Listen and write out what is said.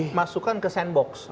ini itu masukkan ke sandbox